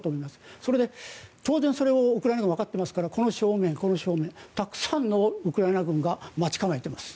それで当然それをウクライナはわかっていますからこの正面、この正面たくさんのウクライナ軍が待ち構えています。